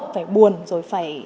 phải buồn rồi phải